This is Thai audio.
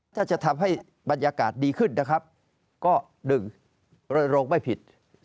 ถ้าจะทำให้บรรยากาศดีขึ้นนะครับก็๑รณรงค์ไม่ผิด